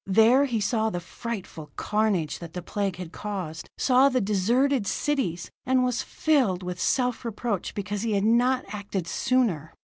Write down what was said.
There he saw the frightful carnage that the Plague had caused, saw the deserted cities and was filled with self reproach because he had not acted sooner.